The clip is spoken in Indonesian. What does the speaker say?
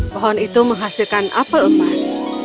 pohon itu menghasilkan apel emas